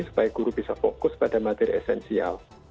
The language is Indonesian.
supaya guru bisa fokus pada materi esensial